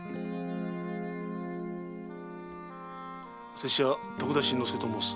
拙者徳田新之助と申す。